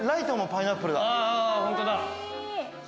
ホントだ。